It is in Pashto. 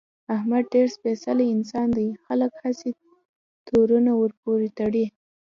احمد ډېر سپېڅلی انسان دی، خلک هسې تورونه ورپورې تړي.